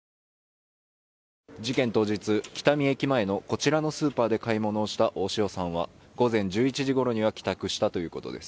事件当日、喜多見駅のこちらのスーパーで買い物をした大塩さんは午前１１時ごろには帰宅したということです。